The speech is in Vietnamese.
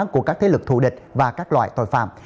của các thế lực thù địch và các loại tội phạm